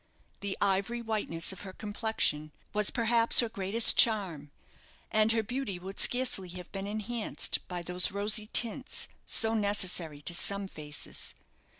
The ivory whiteness of her complexion was, perhaps, her greatest charm, and her beauty would scarcely have been enhanced by those rosy tints so necessary to some faces.